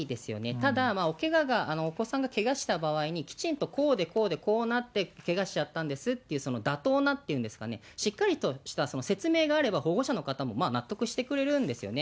ただ、おけがが、お子さんがけがした場合に、きちんとこうでこうでこうなってけがしちゃったんですっていう妥当なっていうんですかね、しっかりとした説明があれば、保護者の方も納得してくれるんですよね。